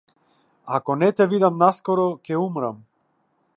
Ако не те видам наскоро ќе умрам.